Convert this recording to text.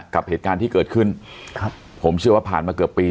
กับเหตุการณ์ที่เกิดขึ้นครับผมเชื่อว่าผ่านมาเกือบปี